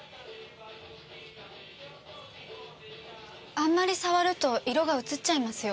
あんまり触ると色がうつっちゃいますよ。